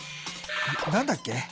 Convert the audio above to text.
何だっけ？